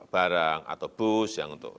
barang atau bus yang untuk